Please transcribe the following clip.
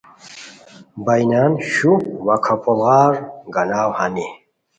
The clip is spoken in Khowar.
بنیان، شو وا کپھوڑ غار گاناؤ ہانی